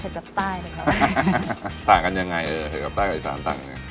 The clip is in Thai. เผ็ดแบบใต้หรืออีซานครับอ๋อต่างกันอย่างนี้เองไม่ว่าเป็นสวัสดิต้มยำที่แบบรสชาติจัดจ้านจริง